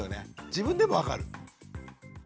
自分でも分かる。